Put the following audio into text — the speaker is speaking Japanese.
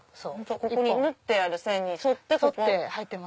ここに縫ってある線に沿って。